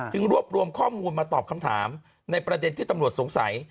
รวบรวมข้อมูลมาตอบคำถามในประเด็นที่ตำรวจสงสัย